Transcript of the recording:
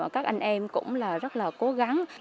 các anh em cũng là rất là cố gắng